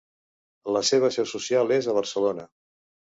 La seva seu social és a Barcelona.